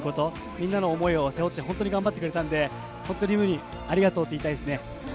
みんなの思いを背負って頑張ってくれたので、輪夢にありがとうと言いたいです。